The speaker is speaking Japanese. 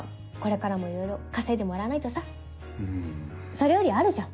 それよりあるじゃん。